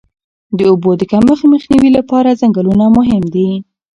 د اوبو د کمښت مخنیوي لپاره ځنګلونه مهم دي.